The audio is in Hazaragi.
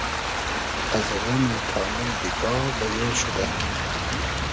از غئمی تانې دیگا بئیۉ شودۂ